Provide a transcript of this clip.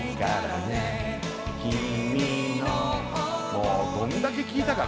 もうどんだけ聴いたか